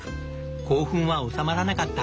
興奮は収まらなかった。